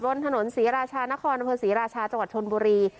นถนนศรีราชานครอำเภอศรีราชาจังหวัดชนบุรี